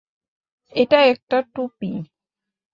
এটা একটা টুপি।